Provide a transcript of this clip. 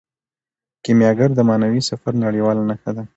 کیمیاګر د معنوي سفر نړیواله نښه ده.